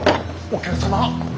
お客様。